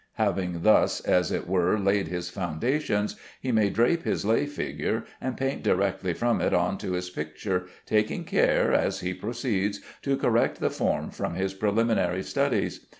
Having thus as it were laid his foundations, he may drape his lay figure and paint direct from it on to his picture, taking care (as he proceeds) to correct the form from his preliminary studies.